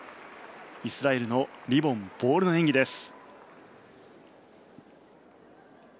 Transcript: イスラエルのリボン・ボールの演技です。